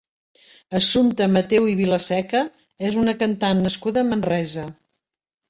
Assumpta Mateu i Vilaseca és una cantant nascuda a Manresa.